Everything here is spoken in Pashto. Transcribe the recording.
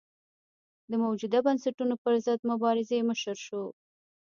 د موجوده بنسټونو پرضد مبارزې مشر شو.